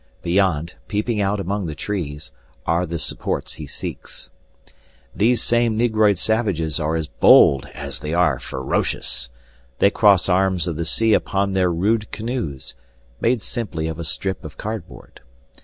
Beyond, peeping out among the trees, are the supports he seeks. These same negroid savages are as bold as they are ferocious. They cross arms of the sea upon their rude canoes, made simply of a strip of cardboard.